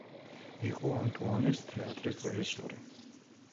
იყო ანტუანის თეატრის რეჟისორი.